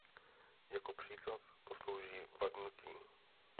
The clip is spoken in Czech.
Jako příklad poslouží vadnutí.